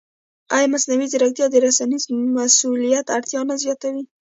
ایا مصنوعي ځیرکتیا د رسنیز مسوولیت اړتیا نه زیاتوي؟